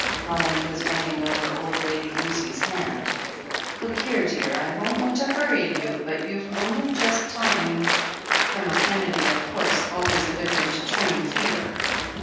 Roland was bending over old Lady Lucy's han4. "Look here, dear, I don't want to hurry you, but you've only just time " G)lonel Kennedy, of course — ^always a victim to "train fever."